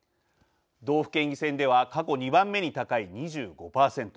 道府県議選では過去２番目に高い２５％。